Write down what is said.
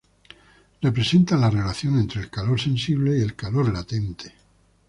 Representa la relación entre el calor sensible y el calor latente.